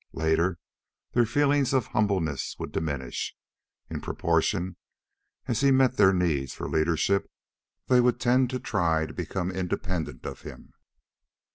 Later, their feeling of humbleness would diminish. In proportion as he met their needs for leadership, they would tend to try to become independent of him.